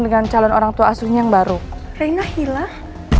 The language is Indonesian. jalan calon orangtua asunya yang baru reina hilang